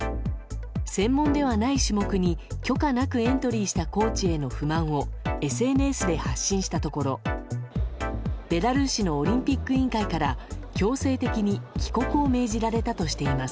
専門ではない種目に許可なくエントリーしたコーチへの不満をＳＮＳで発進したところベラルーシのオリンピック委員会から強制的に帰国を命じられたとしています。